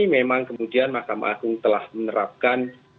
memang kemudian mahkamah agung telah menerapkan